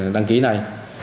đăng ký này